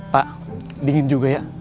pak dingin juga ya